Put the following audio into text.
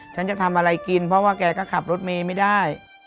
ฉันจะทำอะไรกินเพราะว่าแกก็ขับรถเมย์ไม่ได้